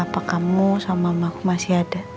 papa kamu sama mamaku masih ada